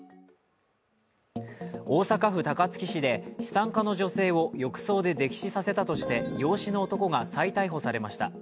大阪府高槻市で資産家の女性を浴槽で溺死させたとして養子の男が再逮捕されました。